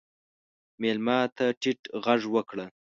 مېلمه ته ټیټ غږ وکړه.